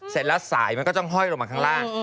เสร็จแล้วสายมันก็ต้องห้อยลงมาข้างล่าง